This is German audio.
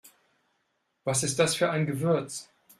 Was ist das für ein Gewürz?